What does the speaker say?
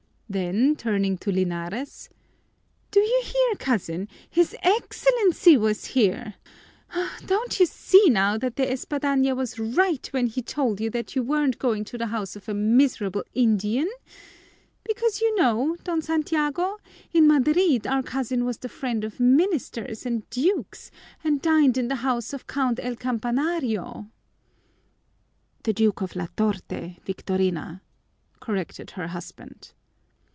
Then turning to Linares, "Do you hear, cousin? His Excellency was here! Don't you see now that De Espadaña was right when he told you that you weren't going to the house of a miserable Indian? Because, you know, Don Santiago, in Madrid our cousin was the friend of ministers and dukes and dined in the house of Count El Campanario." "The Duke of La Torte, Victorina," corrected her husband.